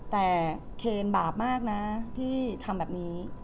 แต่เคนบาปมากนะที่ทำแบบนี้